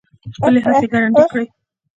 خپلې هڅې ګړندۍ کړي.